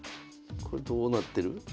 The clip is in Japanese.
これどうなってる？